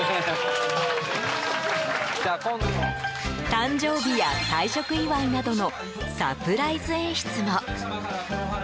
誕生日や退職祝いなどのサプライズ演出も。